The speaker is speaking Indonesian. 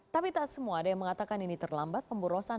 tapi tak semua ada yang mengatakan ini terlambat pemborosan